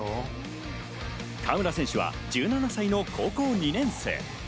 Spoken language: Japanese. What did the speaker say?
川村選手は１７歳の高校２年生。